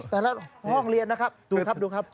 ประหลาดห้องเรียนนะครับ